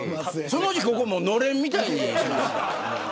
そのうちここも、のれんみたいに。